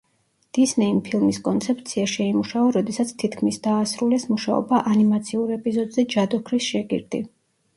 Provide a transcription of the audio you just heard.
დისნეიმ ფილმის კონცეფცია შეიმუშავა, როდესაც თითქმის დაასრულეს მუშაობა ანიმაციურ ეპიზოდზე „ჯადოქრის შეგირდი“.